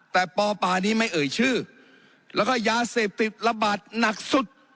แต่ปปนี้ไม่เอ่ยชื่อแล้วก็ยาเสพติดระบาดหนักสุด